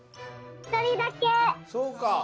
そうか。